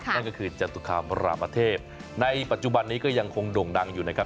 นั่นก็คือจตุคามรามเทพในปัจจุบันนี้ก็ยังคงโด่งดังอยู่นะครับ